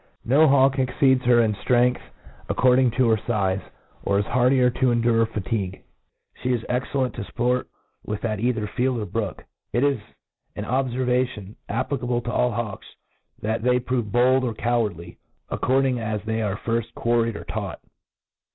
No hawk exceeds her i.n ftren^th sjccording to her fize, or is hardier to endure fatigue. She is excellent to fpprt with ^t eithep field or brook.' It i$ an obfervation, applicabli? ^o all hawks, thsit they prove bold or cowardly^^ according as they are firft quarried or taught.